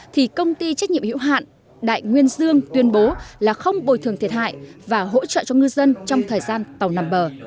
thì công ty trách nhiệm hiệu hạn đại nguyên dương tuyên bố là không bồi thường thiệt hại và hỗ trợ cho ngư dân trong thời gian tàu nằm bờ